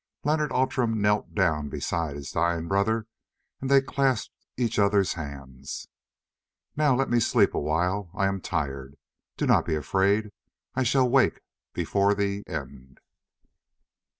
Leonard Outram knelt down beside his dying brother, and they clasped each other's hands. "Now let me sleep awhile. I am tired. Do not be afraid, I shall wake before the—end."